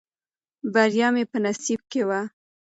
بریا مې په نصیب کې وه.